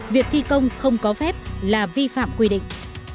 việc thi công không có phép là vi phạm quy định